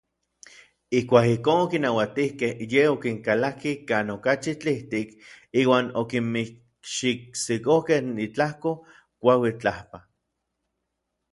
Ijkuak ijkon okinauatijkej, yej okinkalakij kan okachi tlijtik iuan okinmikxitsikojkej itlajko kuauitl tlalpan.